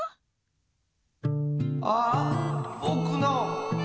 ああぼくの。